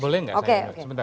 boleh gak saya